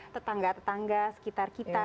tetangga tetangga sekitar kita